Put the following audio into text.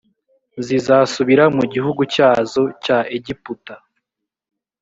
zizasubira mu gihugu cyazo cya egiputa